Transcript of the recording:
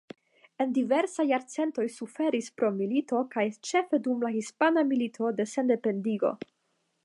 En diversaj jarcentoj suferis pro militoj kaj ĉefe dum la Hispana Milito de Sendependigo.